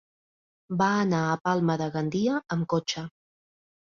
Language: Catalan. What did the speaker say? Va anar a Palma de Gandia amb cotxe.